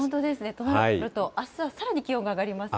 となるとあすはさらに気温が上がりますね。